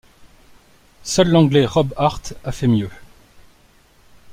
Seul l'Anglais Rob Hart a fait mieux.